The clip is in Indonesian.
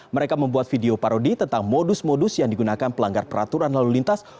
mereka membuat video parodi tentang modus modus yang digunakan pelanggar peraturan lalu lintas